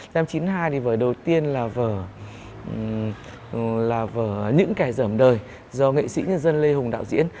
năm chín mươi hai thì vở đầu tiên là vở là vở những kẻ giởm đời do nghệ sĩ nhân dân lê hùng đạo diễn